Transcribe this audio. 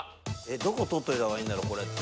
どこ取っておいたほうがいいんだろうこれって。